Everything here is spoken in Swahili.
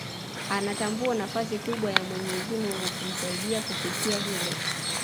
Anatambua nafasi kubwa ya mwenyezi Mungu kumsaidia kuafikia hilo